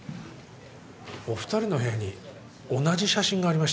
お二人の部屋に同じ写真がありましたよ。